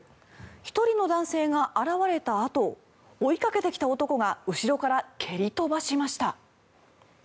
１人の男性が現れたあと追いかけてきた男が後ろから蹴り飛ばしました。